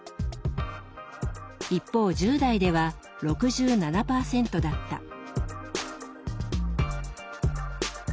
一方１０代では６７％だった。